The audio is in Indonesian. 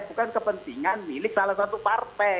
bukan kepentingan milik salah satu partai